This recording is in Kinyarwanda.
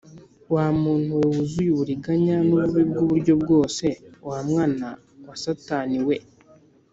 Wa muntu we wuzuye uburiganya n ububi bw uburyo bwose wa mwana wa satanie we